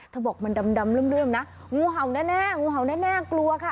เธอบอกมันดำเริ่มนะงูเห่าน่ะแน่กลัวค่ะ